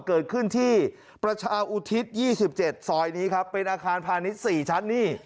เกิดขึ้นที่ประชาอุทิศ๒๗ซอยนี้ครับเป็นอาคารพาณิชย์๔ชั้นนี่